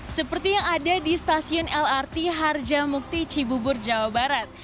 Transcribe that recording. seperti yang ada di stasiun lrt harjamukti cibubur jawa barat